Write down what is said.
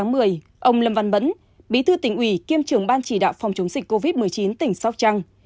ngày ba một mươi ông lâm văn bấn bí thư tỉnh ủy kiêm trưởng ban chỉ đạo phòng chống dịch covid một mươi chín tỉnh sóc trăng